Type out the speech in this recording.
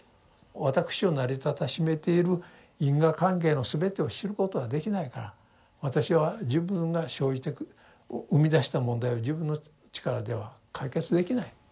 私を成り立たしめている因果関係の全てを知ることはできないから私は自分が生じて生み出した問題を自分の力では解決できない。